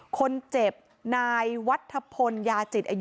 คนเจ็บนายวัฒพลยาจิตอายุ